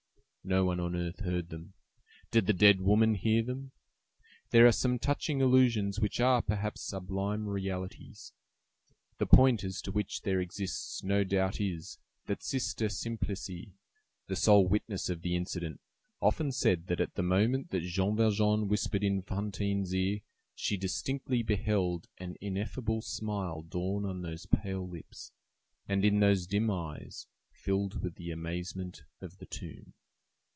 No one on earth heard them. Did the dead woman hear them? There are some touching illusions which are, perhaps, sublime realities. The point as to which there exists no doubt is, that Sister Simplice, the sole witness of the incident, often said that at the moment that Jean Valjean whispered in Fantine's ear, she distinctly beheld an ineffable smile dawn on those pale lips, and in those dim eyes, filled with the amazement of the tomb.